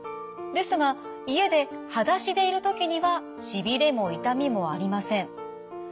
ですが家ではだしでいる時にはしびれも痛みもありません。